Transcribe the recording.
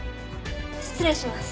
失礼します。